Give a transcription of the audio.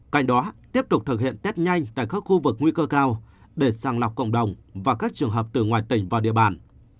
cạnh đó tiếp tục thực hiện test nhanh tại các khu vực nguy cơ cao để sàng lọc cộng đồng và các trường hợp từ ngoài tỉnh vào địa bàn